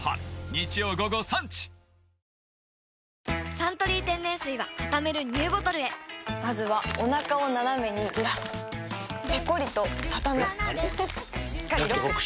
「サントリー天然水」はたためるＮＥＷボトルへまずはおなかをナナメにずらすペコリ！とたたむしっかりロック！